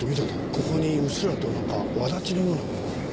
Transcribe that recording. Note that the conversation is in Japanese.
ここにうっすらとなんか轍のようなものが。